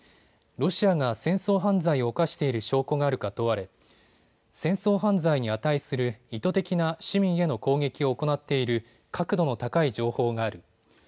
ロシアが戦争犯罪を犯している証拠があるか問われ、戦争犯罪に値する意図的な市民への攻撃を行っている確度の高い情報がある。